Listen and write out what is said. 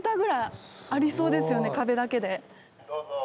壁だけで。